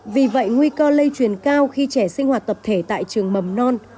vì vậy nguy cơ lây truyền cao khi trẻ sinh hoạt tập thể tại trường mầm non